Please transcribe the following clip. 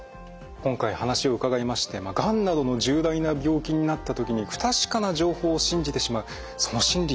今回話を伺いましてがんなどの重大な病気になった時に不確かな情報を信じてしまうその心理よく分かりました。